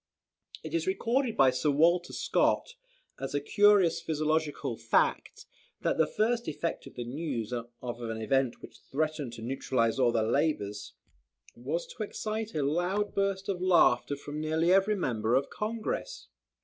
It is recorded by Sir Walter Scott, as a curious physiological fact, that the first effect of the news of an event which threatened to neutralise all their labours, was to excite a loud burst of laughter from nearly every member of the Congress.